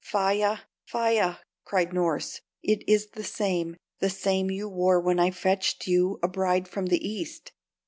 "Faia, Faia!" cried Norss, "it is the same, the same you wore when I fetched you a bride from the East!"